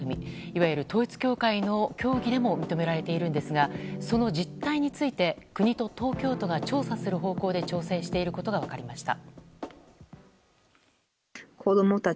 いわゆる統一教会の教義でも認められているんですがその実態について国と東京都が調査する方向で調整していることが分かりました。